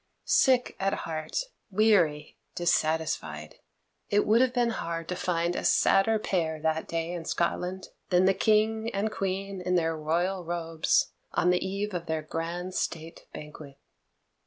Sick at heart, weary, dissatisfied, it would have been hard to find a sadder pair that day in Scotland than the King and Queen in their royal robes, on the eve of their grand state banquet.